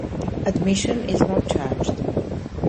Admission is not charged.